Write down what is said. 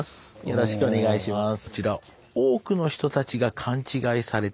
よろしくお願いします。